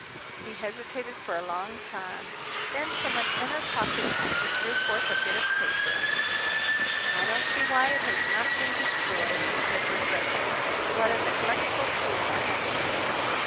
He hesitated for a long time. Then from an inner pocket he drew forth a bit of paper. "I don't see why it has not been destroyed," he said regretfully. "What a neglectful fool I have been!"